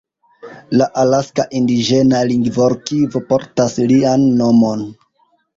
La Alaska Indiĝena Lingvorkivo portas lian nomon.